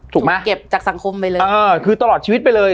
ถูกไหมเก็บจากสังคมไปเลยเออคือตลอดชีวิตไปเลย